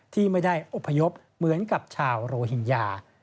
ที่ไม่ได้อบพยพเหมือนกับชาวโรฮิงญา